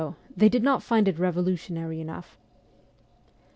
They did not find it revolutionary enough.'